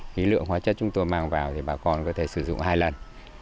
khi lượng hóa chất chúng tôi mang vào thì bà con có thể sử dụng hai lần